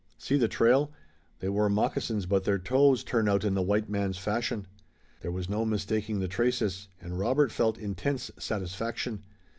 "See the trail. They wore moccasins, but their toes turn out in the white man's fashion." There was no mistaking the traces, and Robert felt intense satisfaction.